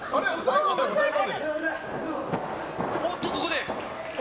おっと、ここで。